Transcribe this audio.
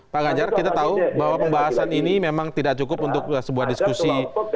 pak ganjar kita tahu bahwa pembahasan ini memang tidak cukup untuk sebuah diskusi